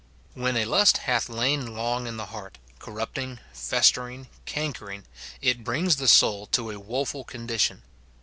When a lust hath lain long in the heart, corrupting, festering, cankering, it brings the soul to a woful condition.